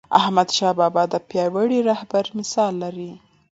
احمدشاه بابا د پیاوړي رهبر مثال دی..